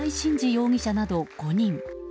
容疑者など５人。